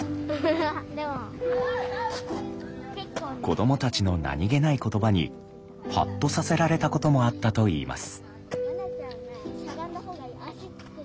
子どもたちの何気ない言葉にハッとさせられたこともあったといいます。